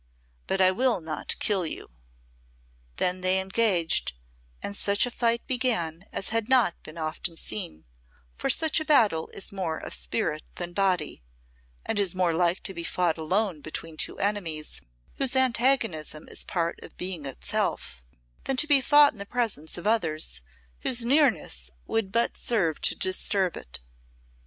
But I will not kill you." Then they engaged, and such a fight began as has not been often seen, for such a battle is more of spirit than body, and is more like to be fought alone between two enemies whose antagonism is part of being itself, than to be fought in the presence of others whose nearness would but serve to disturb it.